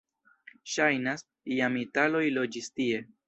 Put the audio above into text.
Ŝajnas, iam italoj loĝis tie.